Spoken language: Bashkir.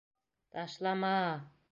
— Таш-ла-маа-а...